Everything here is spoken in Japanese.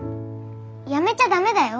やめちゃダメだよ。